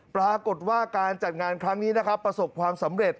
ปรากฏว่าการจัดงานครั้งนี้นะครับประสบความสำเร็จ